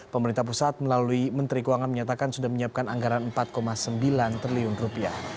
pemerintah pusat melalui menteri keuangan menyatakan sudah menyiapkan anggaran empat sembilan triliun rupiah